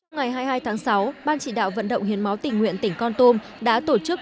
ngày hai mươi hai tháng sáu ban chỉ đạo vận động hiến máu tỉnh nguyện tỉnh con tum đã tổ chức